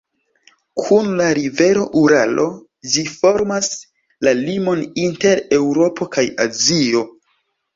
Kun la rivero Uralo ĝi formas la limon inter Eŭropo kaj Azio.